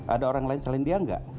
ada orang lain selain dia enggak